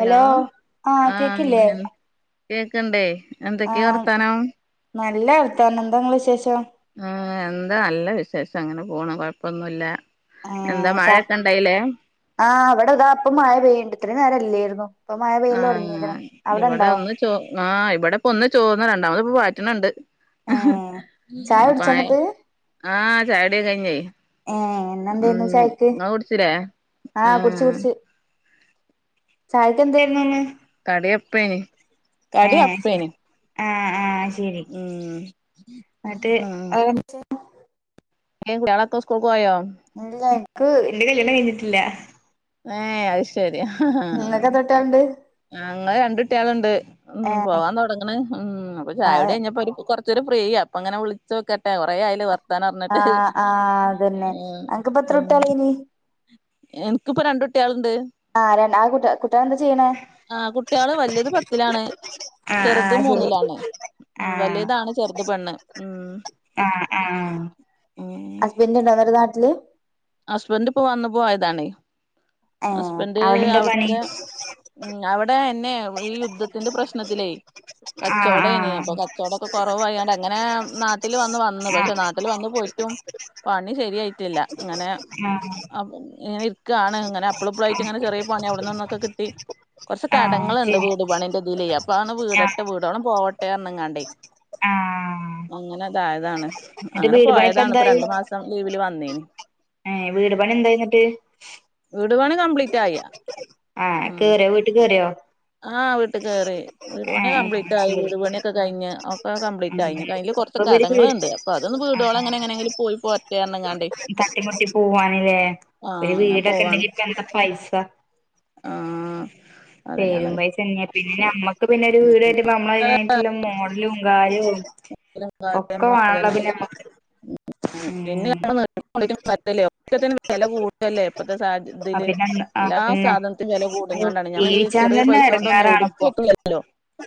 Hello ആഹ് കേക്കില്ലേ കേക്കണ്ടേ എന്തൊക്കെയാ ആഹ് വർത്താനം നല്ല വർത്താനം എന്താ നിങ്ങളെ വിശേഷം ആഹ് എന്താ നല്ല വിശേഷം അങ്ങനെ പോണു കൊഴപ്പൊന്നുമില്ല എന്താ ആഹ് ചാ മഴൊക്കെ ഇണ്ടായില്ലേ ആഹ് ഇവിടെതാ ഇപ്പ മഴ പെയ്യണ്ട് ഇത്ര നേരംല്ലായിരുന്നു. ഇപ്പൊ മഴ പെയൽ തുടങ്ങിരിക്കണ് അവിടെണ്ടോ ച്ചൊ ആ ഇവിടെപ്പൊ ഒന്ന് ചോർന്ന് രണ്ടാമത് ഇപ്പ പാറ്റണണ്ട് ഏഹ് ചായ കുടിച്ചോ പായ ഇന്നട്ട് ആഹ് ചായകുടിയൊക്ക കഴിഞ്ഞേ ഏഹ് ഇന്നെന്തേയിരുന്നു ഉം ചായക്ക് ഇങ്ങള് കുടിച്ചില്ലേ ആഹ് കുടിച്ച് കുടിച്ച് ചായക്ക് എന്തായിരുന്നുന്ന് കടിയപ്പേന് കടിയ ശരി അപ്പേന് ആഹ് ആഹ് ശരി ഉം ഇന്നട്ട് ആഹ് [unintelligible] ഏ കൂട്ടി കളൊക്ക സ്‌കൂളിക്ക് പോയോ ഇല്ല എനിക്ക് എന്റെ കല്യാണം കഴിഞ്ഞിട്ടില്ല ഏഹ് അത് ശരി ഇങ്ങക്ക് എത്ര കുട്ട്യാള്ണ്ട് അങ്ങന രണ്ട് കുട്ടികളുണ്ട് ഉം ഏഹ് പോവാൻ തുടങ്ങണ് ഉം അപ്പൊ ചായ ആഹ് കുടി കഴിഞ്ഞപ്പോ കൊറ ച്ച് ഒരു ഫ്രീയാ അപ്പ അങ്ങനെ വിളിച്ച് നോക്കട്ടെ കുറെ ആയലൊ വർ ത്താനം പറഞ്ഞിട്ട് ആഹ് അതന്നെ ഉം അനക്ക്പ്പ എത്ര ഉം കുട്ട്യാളേനി എനിക്കിപ്പ രണ്ട് കുട്ടികളുണ്ട് ആ ര ആ കുട്ട കുട്ടികൾ എന്താ ചെയ്യണേ ആഹ് കുട്ടികള് വലിയത് പത്തിലാണ് ആ ആ ചെറുത് ശരി മൂന്നിലാണ് ഉം ആ വലിയത് ആണ് ചെറുത് പെണ്ണ് ഉം ഉം ഹസ്ബന്റ് ഉണ്ടാ അന്നേരം നാട്ടില് ഹസ്ബന്റ് ഇപ്പോ വന്നു പോയതാണ്. ഏ ഹസ്ബന്റ് അവിടെ എന്താ പണി അവിടുത്തെ ഉം അവിടെ എന്നെയെ ഈ യുദ്ധത്തിന്റെ പ്രശ്നത്തിലേ ആ ആ കച്ചവടേയ്ന് അപ്പൊ കച്ചവടൊക്കെ കുറവായൊണ്ട് അങ്ങനെ നാട്ടില് വന്ന് ആ പക്ഷെ നാട്ടില് വന്നു പോയിട്ടും പണി ശരിയായിട്ടില്ല ഇങ്ങനെ ആ ഇങ്ങനെ ക്ക് ആണ് അങ്ങനെ അപ്പളപ്പളായിട്ട് ഇങ്ങനെ ചെറിയ പണി അവിടന്ന് ഇവിടുന്നൊക്കെ കിട്ടി കുറച്ച് ആ കടങ്ങളളുണ്ട് ശരി വീട് പണിന്റെതിലേ അപ്പാണ് ആ വീടാൻ ഇട്ട വീടോണം പോവട്ടെന്നങ്ങാണ്ടേ ആ അങ്ങനെ അതായതാണ് എന്നിട്ട് അങ്ങനെ വീട് പണി ഇപ്പ പോയതാണ് ഇപ്പൊ രണ്ടു മാസം ലീവില് വന്നേന് ഏഹ് വീട് പണി എന്തായിന്നിട്ട് വീടു പണി കംപ്ലീറ്റ് ആയ. ആഹ് കേറിയോ വീട്ടിൽ കേറിയോ. ആ വീട്ടിൽ കേറി. വീട് ഏ പണി കപ്ലീറ്റ് ആയി ശരി വീട് പണിയൊക്കെ കഴിഞ്ഞ്. ഒക്കെ കംപ്ലീറ്റായി. ഇനി കഴിഞ്ഞ് ഇപ്പൊ കൊറച്ച് ഇവര് വീട് കടങ്ങൾണ്ട് അപ്പൊ അതൊന്ന് ആ വീടോളം അങ്ങനെ എങ്ങനെങ്കിലും പോയി പോരട്ടെ പറഞജ്ങ്ങാണ്ട് തട്ടിമുട്ടി പോവാണ് ലേ ഒരു അങ്ങനെ വീടൊക്കെ പോവാണ് ഇണ്ടെങ്കി ഇപ്പ എന്താ പൈസ ആഹ് പേരും അതന്നെയാണത് പൈസന്നെ പിന്നെ അമ്മ പിന്നെ ഒരു വീട് ആയിട്ട് നമ്മളതിനായിട്ടുള്ള മോഡലും കാര്യവും [unintelligible] ഒക്കെ വേണല്ലോ പിന്നെ നമ്മക്ക് ഉം അല്ല ഒക്കത്തിനും വില കൂടല്ലേ ഇപ്പഴത്തെ സാഹച അഹ് ഇതില് പിന്നെ എല്ലാ അതന്നെ സാധനത്തിനും വില കൂടുങ്ങാണ്ടാണ് ഞങ്ങള് ഈ ജീവിച്ചാൻ ചെറിയ തന്നെ പൈസ കൊണ്ട് ഒനും എവിടക്കും എടങ്ങാറാണിപ്പൊ എത്തുല്ലല്ലോ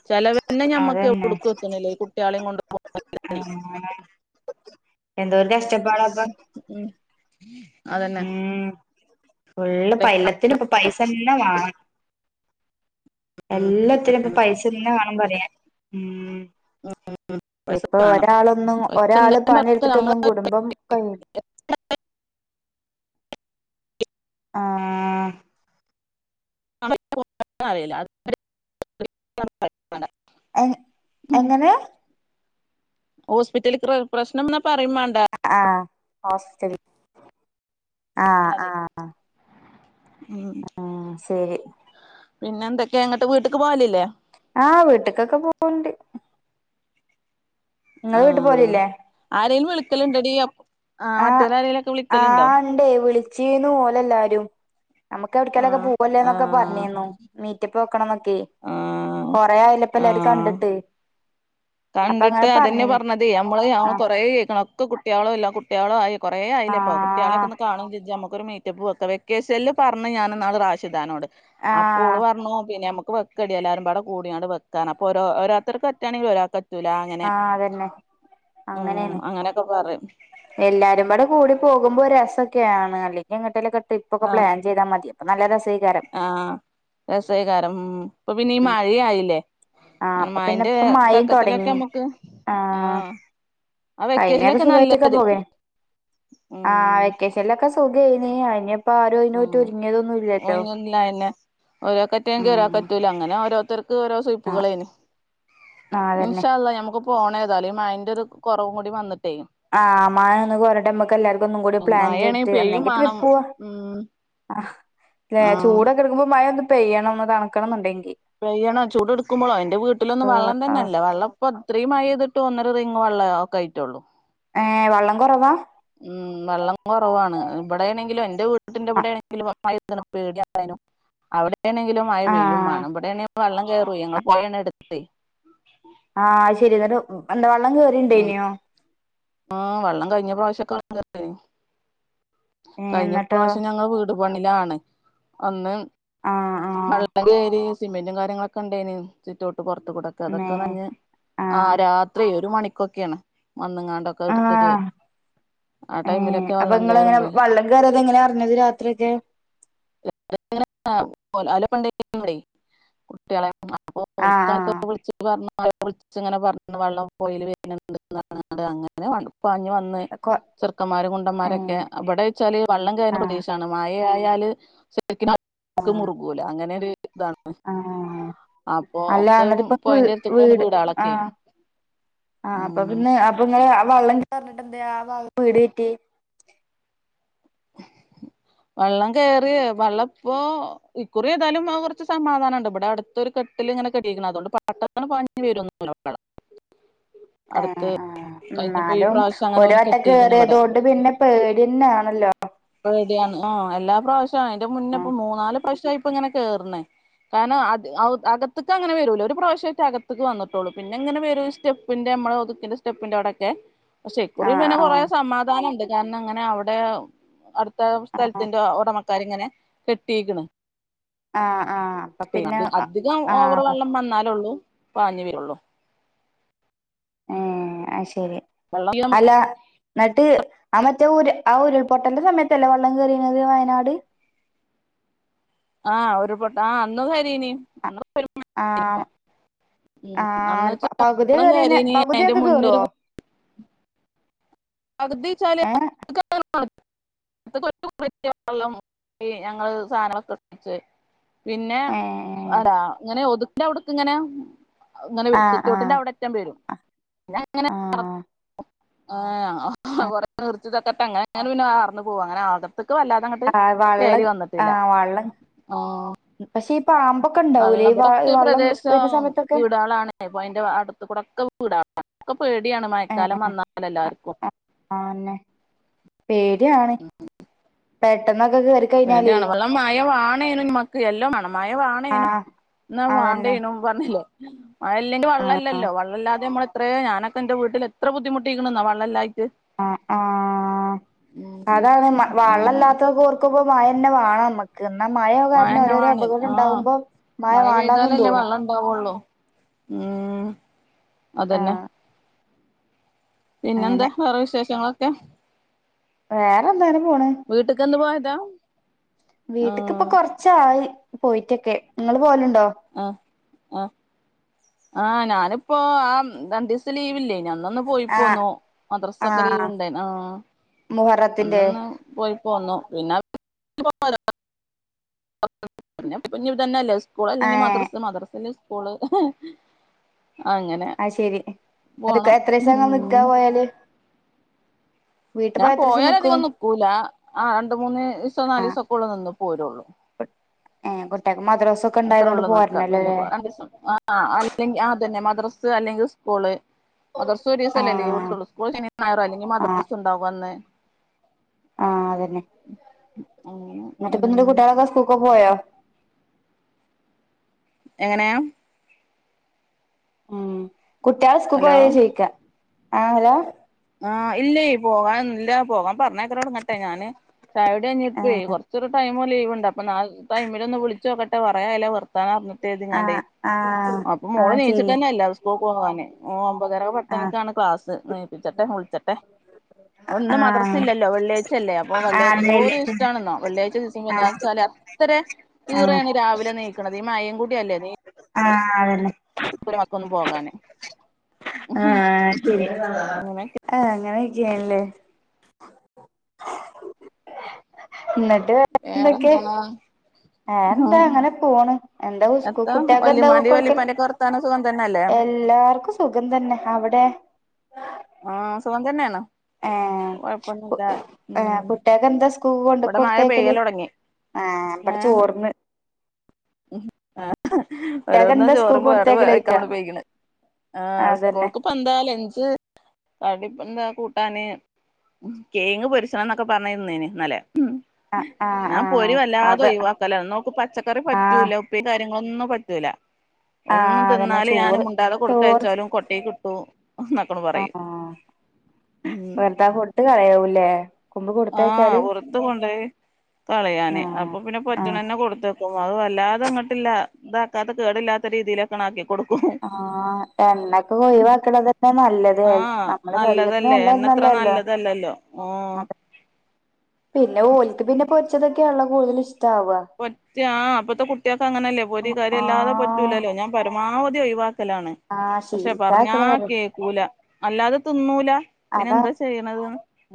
ചിലവേന്നെ ഞമ്മക്ക് അതന്നെ എവിടേക്കു എത്തുന്നില്ല ഈ കുട്ടികളെയും കൊണ്ട് ആഹ് എന്തോ ഒരു കഷ്ടപ്പാട ഉം അതന്നെ ഉം ഫുള്ള് പ പൈസ എല്ലത്തിന് ഇപ്പ പൈസന്നെ വാണം എല്ലാത്തിനും ഇപ്പ പൈസന്നെ വേണം ന്ന്‌ പറയാൻ ഉം ഇപ്പൊ വേണം ഒരാളൊന്നും പൈസ ഒരാള് പണിയെടുത്തിട്ടൊന്നും കുടുംബം കഴി ആഹ് [unintelligible] വേണ്ട എ എങ്ങനെ ഹോസ്പിറ്റല പ്രശ്നംന്നാ പറയും വേണ്ട ആഹ് ഹോസ്റ്റൽ ആഹ് ആഹ് ഉം പിന്നെ എന്തൊക്കാ അങ്ങട്ട് വീട്ടക്ക് പോവലല്ലേ ആഹ് വീട്ടക്കൊക്കെ പോവണ്ട് ഇങ്ങള് വീട്ട് ആഹ് പോവലില്ലേ ആരെലും വിളിക്കലുണ്ടടീ ആ മറ്റൊരാരേലും ഒക്കെ വിളിക്കലുണ്ടോ ണ്ടേ വിളിച്ചുന്ന് ഓല് എല്ലാരും നമുക്ക് എവിടക്കാലൊക്കെ ആഹ് പോവല്ലേ എന്നൊക്കെ ആഹ് പറഞ്ഞിന്നു മീറ്റപ്പ് വക്കണം ന്നൊക്കെ ആഹ് കൊറ ആയല്ലപ്പ എല്ലാരും ആഹ് കണ്ടിട്ട് അപ്പൊ അങ്ങനെ കണ്ടിട്ട് അതന്നെ പറഞ്ഞീന് പറഞ്ഞത് നമ്മള് ആഹ് കൊറ കണക്ക് കുട്ടികളോ ഇല്ല കുട്ടികളോ ആയി കുറെ ആയില്ല ഇപ്പൊ കുട്ടേലൊക്കെ ആഹ് ഒന്ന് കാണു ചെജ്ജാ മ്മക്കൊരു പോത്തേ വെക്കേഷനിൽ പറഞ്ഞു ഞാനിന്നാല് റാഷിദനോട് അപ്പോ ഓള് ആഹ് പറഞ്ഞു പിന്നെ നമുക്ക് വെക്കടി എല്ലാരുംപാടെ കൂട്യണ്ട് വെക്കാറഞ്ഞ [unintelligible] തുല അങ്ങനെ ആഹ് അതന്നെ ഉം അങ്ങനേണ് അങ്ങനെയൊക്കെ പറയും എല്ലാരും പാടെ കൂടി പോകുമ്പോ രസക്കെയാണ് അല്ലെങ്കിൽ എങ്ങട്ടേലൊക്കെ ട്രപ്പ്ക്കെ ആഹ് പ്ലാൻ ചെയ്താ മതി അപ്പ നല്ല രസയ്ക്കാരം ആഹ് രസായികരം ഉം ഇപ്പൊ പിന്നെ ഈ ഉം മഴ ആയില്ലേ ആഹ് അപ്പൊ പിന്നെ ഇപ്പ മായയും തൊടങ്ങി നമ്മുക്ക് ആഹ് ആ കഴിഞ്ഞൊക്കെ വെക്കേഷനിലൊക്കെ നല്ല സുഖായിച്ചൊക്കെ പോവേ ആ ഉം വെക്ക ചിലൊക്കെ സുഖംമായിന അനിപ്പൊ ആരോ അതിനോട്ട ഒരുങ്ങിയതൊന്നും ഇല്ലല്ലോ ല്ലന്നെ ഓരോ കറ്റങ്കിൽ ഒരാ ഉം കറ്റൂല്ല അങ്ങനെ ഓരോത്തർക്ക് ഓരോ ആഹ് സുയ്‌പകലെന്നു ആഹ് അതന്നെ ഇൻശാഅല്ലാഹ്‌ ഞമ്മക്ക് പോണേതാലും ഈ മയിന്റെ ഒരു കുറവും കൂടി വന്നിട്ടേ ആഹ് മയോന്ന് കൊറേട്ടെ ന്നിട്ട് അമ്മക്ക് എല്ലാർക്കും ഒന്നുംടി പ്ലാൻ മഴയാണെങ്കി ചെയ്ട്ട് പെയ്യും ഒന്നെങ്കി മാണം ട്രിപ്പ് പോവാ ഉം ല്ല ആഹ് ചൂടൊക്കെ എടുക്കുമ്പോ മയ ഒന്ന് പെയ്യണംന്ന് തണുക്കണംന്നുണ്ടെങ്കിൽ പയ്യണോ ചൂട് എടുക്കുമ്പോഴോ എന്റെ വീട്ടിലൊന്ന ആഹ് വള്ളം തന്നെയ ആഹ് അല്ല വള്ളം ഇപ്പൊ ഇത്രയും മഴ പെതിട്ട് ഒന്നര റിങ് വള്ള ഒക്കെ ആയിട്ടുള്ളൂ ഏഹ് വള്ളം കുറവാ ഉം വെള്ളം കുറവാണ് ഇവിടെ ആണെങ്കിലും എന്റെ വീട്ടിന്റെ ആഹ് ഇവിടെണെങ്കിലും മഴ പേടിയായാനും അവിടെ ആണെങ്കിലും മഴ പെയ്യും ആഹ് വേണം ഇവിടെണെ വെള്ളം കേറൂ ഞങ്ങൾ പോയാണ് എടുത്തേ ആഹ് ശരി എന്നട്ട് എന്താ വള്ളം കേറിന്റെയിനോ ആ വള്ളം കയ്ഞ്ഞ പ്രാശ്യോക്കെ [inaudible] ഏഹ് കഴിഞ്ഞ എന്നിട്ടോ പ്രാവശ്യം ഞങ്ങള് വീട് പണിലാണ് അന്ന് ആ വള്ളം കേരി സിമെന്റും കാര്യങ്ങളൊക്കെണ്ടായന് സിറ്റോട്ട് പൊർത്ത്ക്കൂടൊക്കെ മേ അതൊക്കെ നൻഞ്ഞ് ആ ആഹ് രാത്രി ഒരു മണിക്കൊക്കെണ് വന്ന്ങ്ങാണ്ട് പ്പൊ അട്ത്തൊര് ആഹ് ആ ടൈമിലൊക്കെ വെള്ളം കേയറുമ്പഴേ ള്ളം കേറിയേത് എങ്ങനെ അറിഞ്ഞത് രാത്രിയൊക്കെ [inaudible] [inaudible] വിൾച്ച് [unintelligible] ആ വള്ളം പൊയേ ല് വര്ന്ണ്ട് അങ്ങനെ പാഞ് വന്ന് [inaudible] ചെർക്കമ്മാര് ഏ കുണ്ടന്മാരൊക്കെ വടെച്ചാല് വള്ളം ആ കേറുന്ന പ്രദേശാണ് മയയാല് ആ [inaudible] അങ്ങനൊരു ഇതാണ് ആ അപ്പൊ അല്ല ഒക്കെ എന്നിട്ടിപ്പ വീ പൊയന്റെ എട്ത്തുകൂടാണെ വീട് ആ വീടാളൊക്കെ ആ അപ്പൊ ആഹ് പിന്നെ അപ്പൊങ്ങള് വള്ളം [unintelligible] പർഞ്ട്ടെന്തെ അ ഭാഗം വീട് കേറ്റി [inaudible] വള്ളം കേറി വള്ളംപ്പോ ഇക്കുറി ഏതായാലും കൊർച്ച് സമാധാനണ്ട് ഇവടെ അട് തൊരു കെട്ടില്ങ്ങനെ കെട്ടീക്ക്ണ് അതോണ്ട് [unintelligible] ആ ആ കഴിഞ്ഞപ്പോ ഈ ന്നാലും പ്രാവശ്യം അങ്ങനെ ഒരു ഓല് വട്ടം കെട്ടിക്ക്ണ് ഇവിടെ കേറിയേതോണ്ട് പിന്നെ പേടിന്നാണല്ലോ പേടിയാണ് ആ എല്ലാ പ്രാശ്യം അയ്ന്റെ മുന്നെപ്പോ മൂന്നാല് പ്രാശ്യായി ഇപ്പങ്ങനെ കേറ്ന് കാരണം അത് അകത്ത്ക്കങ്ങനെ വരൂല ഒരു പ്രാശ്യേറ്റം അകത്ത്ക്ക് വന്ന്ട്ടൊള്ളൂ പിന്നെങ്ങനെ വെരും സ്റ്റെപ് പ്പിന്റെ മ്മള് ഒതുക്കിന്റെ സ്റ്റെപ്പിന്റടൊക്കെ ക്ഷേ ആ ആ ഇക്കുറി പിന്നെ കൊറെ സമാധാനണ്ട് കാരണം അങ്ങനെ അവടെ അട് ത്തെ ആ സ്ഥലത്തിന്റെ ഒടമക്കാര്ങ്ങനെ കെട്ടിക്ക്ണ് ആ ആ അപ്പൊ പിന്നെ അധികം ആ ഓവർ വെള്ളം വന്നാലൊള്ളു പാഞ് വെരൊള്ളൂ ആ അത് ശെരി [inaudible] അല്ല ന്ന്ട്ട് ആ മറ്റേ ഉരു ആ ഉരുൾപൊട്ടൽന്റെ സമയത്തല്ലേ വള്ളം കേറീന്നത് വയനാട് ആ ഉരുൾ പൊട്ട ആ അന്ന് കരീന് ആ ആ വെള്ളം പകുതി കേറിന് കയറീന് അതിന്റെ പകുതിയൊക്കെ മുന്നൊരു കേറോ പകുതിച്ചാല് [unintelligible] ഞങ്ങള് [inaudible] പിന്നെ ഏഹ് അതാ ഇങ്ങനെ ഒതുക്ക്ന്റെ അവ്ട്ക്ക് ങ്ങനെ ഇങ്ങനെ ആഹ് ആഹ് സിറ്റോട്ടിന്റെ അവടെ റ്റം വെരും [unintelligible] [unintelligible] ആഹ് അകത്ത്ക്ക് വല്ലാ തങ്ങട്ട് ആഹ് കേറി വള്ളം വന്ന്ട്ട്ല്ല ആ പക്ഷേ ഈ പാമ്പൊക്കെ ണ്ടാവൂലേ വെള്ളം ഈ വ വള്ളം വെര്ന്ന സമയത്തൊക്കെ പ്പൊ പൊയന്റെ അട്ത്ത്ക്കൂടൊക്കെ വീട ക്ക് പേടിയാണ് മയക്കാലം ഏഹ് വന്നാലെല്ലാർക്കും ആന്നെ പേടിയാണ് പെട്ടെന്നൊക്കെ കേറി കഴിഞ്ഞാലേ പേടിയാണ് വള്ള മഴ വാണേനും മ്മക്ക് എല്ലോം വാണം മഴ വാണേനും ആഹ് ന്നാ അതന്നെ വാണ്ടേനും പർഞ്ഞില്ലേ മയല്ലെങ്കി ആഹ് വള്ളല്ലല്ലോ വള്ളല്ലാതെ നമ്മള് ത്രേ ഞാനൊക്കെ ന്റെ വീട്ടില് എത്ര ബുദ്ധിമുട്ടിക്ക്ണ്ന്നോ വള്ളല്ലായിട്ട് അ ആ ഉം അതാണ് മ ആഹ് വള്ളല്ലാത്തോൽക്ക് ഒർ ക്കുമ്പൊ മയെന്നെ വാണം നമ്മ ക്ക് മഴകാരണം മഴന്നെ ഓരോരോ വാണേ ആഹ് അപകടംണ്ടാമ്പോ മഴ വാണ്ടാന്നും തോന്നും ഉണ്ടാവുള്ളു ഉം അതന്നെ ആഹ് പിന്നെന്താ അങ്ങനെ വേറെ വിശേഷങ്ങളൊക്കെ? വേറെന്ത ങ്ങനെ പോണ് വീട്ടിക്ക് എന്ന് പോയതാ വീട്ട്ക്ക് ഇപ്പൊ ആഹ് കൊറച്ചായി പോയിട്ടൊക്കെ നിങ്ങള് പോവലുണ്ടോ ആഹ് ആഹ് ആഹ് ഞാനിപ്പോ ആഹ് രണ്ടീസം ലീവില്ലേന അന്ന് അന്ന് പോയി ആഹ് പോന്നു മദ്രസൊക്കെ ലീവ് ആഹ് ഉണ്ടേന് ആഹ് മുഹറത്തിന്റെ അന്നന്ന് പോയി പോന്നു പിന്നെ [unintelligible] പിന്നെ ഇതന്നെ അല്ലെ സ്കൂൾ അല്ലെങ്കിൽ ഏഹ് മദ്രസ മദ്രസ ഇല്ലേൽ സ്കൂള് അങ്ങനെ അത് ശരി അതൊക്കെ പോണം എത്രീസാ ഇങ്ങള് നിക്കാ ഉം പോയാല് വീട്ട് ഞാൻ പോയാ എത്രീസം പോയാല് നിക്കും അധികം നിക്കൂല ആ രണ്ട് മൂന്ന് ദിവസം നാല് ദിവസം ഒക്കെ ഉള്ളൂ നിന്ന് പോരുള്ളൂ ഏ കുട്ടികൾക്ക് മദ്രസ അത്രേള്ളൂ നിക്ക പിന്നെ പോ രണ്ടീസം ആഹ് അല്ലെങ്കി ആതന്നെ മദ്രസ്സ് അല്ലെങ്കിൽ സ്കൂള് മദ്രസ് ഒരെസല്ലേ ലീവ് ആഹ് കിട്ടുള്ളൂ സ്കൂൾ ഞായറോ അല്ലെങ്കി ആഹ് മദ്രസ്സ് ഉണ്ടാവകും അന്ന് ആഹ് അതന്നെ അങ്ങനെ ന്നിട്ടിപ്പം എ ഉം കുട്ടികളൊക്കെ സ്കൂൾക്കൊക്കെ പോയോ? എങ്ങനെ? ഉം കുട്ടിയള് സ്കൂൾക്ക് ഹലോ പോയോ ചോയിക്ക ആഹ് ഹലോ ആഹ് ഇല്ലേ പോകാ ഇല്ല പോകാൻ പറഞ്ഞേക്കലൊടങ്ങട്ടെ ഞാന് ചായുടി കഴിഞ്ഞപ്പെ ആഹ് കുറച്ചൊരു ടൈം മു ലീവുണ്ട് അപ്പൊ നാളത്തെ ടൈമിൽ ഒന്ന് വിളിച്ച് നോക്കട്ടെ പറയാല്ലെ വർത്തന ർഞ്ഞി ചെയ്ത്ങ്ങാണ്ടെ ആഹ് ആഹ് അപ്പൊ മോള് ആഹ് ശരി നീച്ചിട്ടന്നെ ഇല്ല സ് പോകാനെ ഓന്ന് പറഞ്ഞ് ഒമ്പതര പത്ത് ആഹ് മണിക്കാണ് ക്ലാസ് എനീപ്പിച്ചട്ടെ വിളിച്ചട്ടെ ഓൻ ഇന്ന് മദ്രസ ആഹ് ഇല്ലല്ലോ വെള്ളിയഴ്ച അല്ലേ അപ്പൊ എന്തോരു ആഹ് ഇഷ്ടണെന്നോ വെള്ളിയഴച ദിവസം എന്താന്ന് ആഹ് വെച്ചാ ഇത്ര ആഹ് ഇറെണ് രാവിലെ നീക്ക്ണത് ഈ മഴം കൂടി അല്ലേ നീ ആഹ് അതന്നെ ഇപ്പം ഞാക്ക് ഒന്ന് പോകാന് [unintelligible] അങ്ങനെ ക്കെ ആഹ് അങ്ങനെയൊക്കെയാണല്ലേ ന്നിട്ട് വേറെന്താ? വേറെന്താ ആഹ് അങ്ങനെ പോണ് എന്താ സ്കൂ എത്താ കുട്ടിയക്കെന്താ വല്ലിമ്മാന്റേം കൊടുക്കല് വല്ലിപ്പാന്റെയൊക്കെ വർത്താനം സുഖം തന്നെയല്ലേ ല്ലാർക്കും സുഖം തന്നെ അവിടെ? ആഹ് സുഖം തന്നെയാണ് ഏഹ് കൊഴപ്പൊന്നുല്ല ഉം ഏഹ് കുട്ടികൾക്ക് എന്താ സ്കൂൾ കൊണ്ട് ഇവിടെ മഴ കൊടുത്തേക്കല് പെയ്യലൊടങ്ങി ആഹ് വടെ ചോർന്ന് ഉം ആഹ് കുട്ടികൾക്ക് ഓരോന്നും എന്താ സ്കൂൾ ചോറും വേറെ കൊടുത്തേക്കല് ചോദിക്കാ വേവിക്കാം ഉപയിക്ക്ണ് ആഹ് അതന്നെ സ്കൂൾക്ക് ന്താലെഞ്ച് തടിപ്പ ന്താ കൂട്ടാന് ഉം കേങ്ങ് പൊരിച്ചണം ന്നൊക്കെ പറഞ്ഞ് നിന്നീനി ഇന്നല്ലേ ഉം ആഹ് ആഹ് ഞാൻ പോരി ആഹ് വല്ലാതെ അത് ഒഴിവാക്കല നോക്ക് പച്ചക്കറി പ ആഹ് ഉപ്പി കാര്യങ്ങളൊന്നും പറ്റൂല്ല ഒന്നും ആഹ് അതന്നെ തിന്നാല് ഞാനും ചോറ് മുണ്ടാതെ ചോറ് കൊടുത്തയച്ചാലും കൊട്ടെകിട്ടൂ ന്നൊക്കെണ് പറയും ഉം വെർതെ ഫുഡ് കളയൂല്ലേ കുമ്പ് ആഹ് കൊടുത്തയച്ചാലും വെർതെ കൊണ്ടോയി കളയാന് അപ്പൊ പിന്നെ ആഹ് പെറ്റണന്നെ കൊടുത്ത അത് വല്ലാതെങ്ങോട്ടില്ല ഇതാക്കാത്ത കേടില്ലാത്ത രീതിയില് ക്കണക്കി കൊടുക്കും ആഹ് എണ്ണ ക്ക ഒഴിവാക്കണക്കെ തന്നെ നല്ലത് ആഹ് നമ്മടെ ശരീരത്തിന് നല്ലതല്ലേ എണ്ണ എണ്ണത്ര നല്ലയല്ലല്ലോ നല്ലതല്ലല്ലോ ആഹ് പിന്നെ ഓലിക്ക് പിന്നെ പൊരിച്ചതൊക്കെയണല്ലൊ കൂടുതൽ ഇഷ്ടവ പോരിച്ച ആ ഇപ്പഴത്തെ കുട്ടിക്ക് അങ്ങനെയല്ലേ പൊരി കരി അല്ലാതെ പ ആഹ് പറ്റൂലല്ലോ ഞാൻ പരമാവധി ഒഴിവാക്കലാണ് ആഹ് പക്ഷെ പറഞ്ഞ ശീലിച്ചാക്കണ് പറയും കേക്കൂല അല്ലാതെ തിന്നൂല പിന്നെ അതാ എന്താ ചെയ്യണത്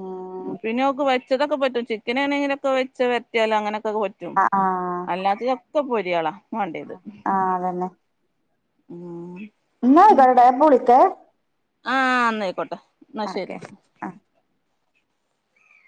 ഉം പിന്നെഓക്ക്. ചിക്കനൊക്കെ പറ്റും ചിക്കനൊക്കവെച്ച് വരറ്റ്യാല് അങ്ങനെക്കെ പറ്റും. ആഹ് ആഹ് എല്ലാത്തിനൊക്ക പൊരിയാളാ വാണ്ടേത്. ആഹ് അതന്നെ ന്നബടെ ബളിക്കെ ആഹ് ന്നയിക്കോട്ടെ. ഓക്കെ. ആ